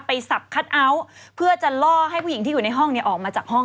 สับคัทเอาท์เพื่อจะล่อให้ผู้หญิงที่อยู่ในห้องเนี่ยออกมาจากห้อง